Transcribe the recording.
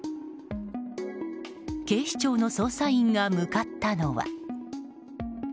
警視庁の捜査員が向かったのは。